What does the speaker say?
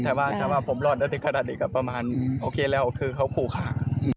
ถ้าว่าผมรอดอาทิตย์ขนาดนี้ก็ประมาณโอเคแล้วคือเขาคู่ฆ่า